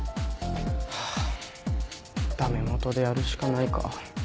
ハァ駄目もとでやるしかないか。